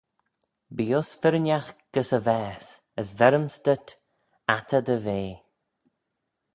Bee uss firrinagh gys y vaase, as veryms dhyt attey dy vea.